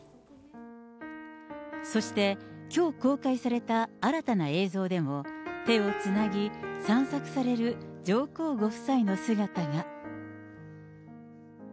そして、きょう公開された新たな映像でも、手をつなぎ、散策される上皇ご夫妻の姿が。